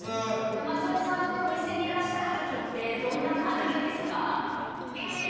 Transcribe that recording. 山添さんってお店にいらっしゃる時ってどんな感じですか？